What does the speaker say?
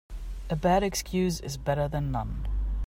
A bad excuse is better then none.